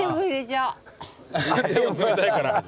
手も冷たいから。